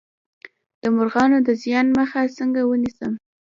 د مرغانو د زیان مخه څنګه ونیسم؟